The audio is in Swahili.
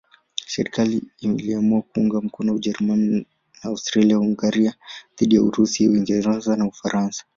Serikali iliamua kuunga mkono Ujerumani na Austria-Hungaria dhidi ya Urusi, Uingereza na Ufaransa.